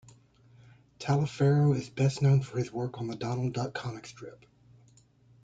Taliaferro is best known for his work on the Donald Duck comic strip.